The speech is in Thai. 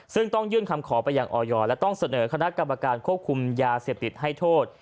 ซึ่งต้องยื่นคำขอไปยังออยและต้องเสนอคณะกรรมการควบคุมยาเสพติดให้โทษ